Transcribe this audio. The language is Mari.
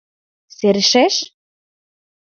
Серышеш?